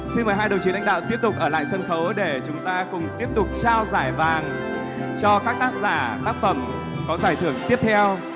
xin mời hai đồng chí lãnh đạo tiếp tục ở lại sân khấu để chúng ta cùng tiếp tục trao giải vàng cho các tác giả tác phẩm có giải thưởng tiếp theo